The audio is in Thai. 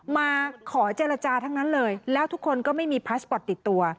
มาขอเจรจาทั้งนั้นเลยแล้วทุกคนก็ไม่มีพาสปอร์ตติดตัว